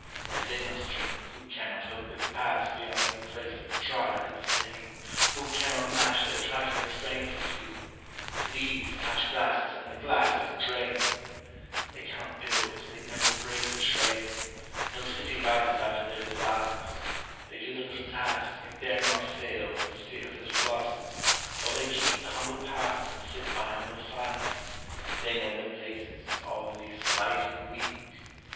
As they must drink, who cannot hope to pass Beyond their place of trial and of pain. Who cannot match their trifling strength with you; To these, touch glasses — ^and the glasses drain ! They cannot build, they never break the trail. No city rises out of their desires ; They do the little task, and dare not fail For fear of little losses — or they keep The humble path and sit by humble fires; They know their places — all these fighting Weak!